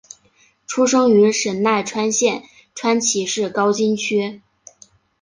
出生于神奈川县川崎市高津区。